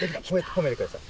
褒めてください。